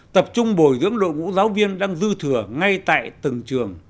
tập trung bồi dưỡng đội ngũ giáo viên đang dư thừa ngay tại từng trường